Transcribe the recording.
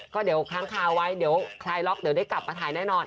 ก็เดี๋ยวค้างคาไว้เดี๋ยวคลายล็อกเดี๋ยวได้กลับมาถ่ายแน่นอน